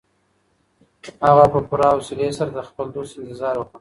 هغه په پوره حوصلي سره د خپل دوست انتظار وکړ.